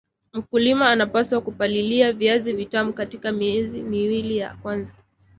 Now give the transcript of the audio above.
mkulima anapaswa kupalilia viazi vitamu katika miezi miwili ya kwanza